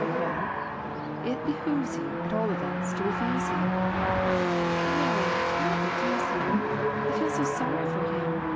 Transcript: Well, it behooves you, at all events, to refuse him." " No, not refuse him ! I feel so sorry for him